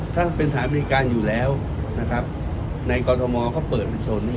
ถ้าเป็นสถานบริการอยู่แล้วในกรณฐมนตรีเขาเปิดเป็นโซนนี้